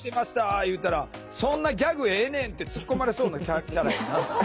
言うたら「そんなギャグええねん」って突っ込まれそうなキャラやな。